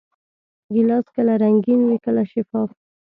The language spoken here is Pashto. ګیلاس کله رنګین وي، کله شفاف.